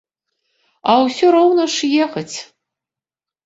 А ўсё роўна ж ехаць.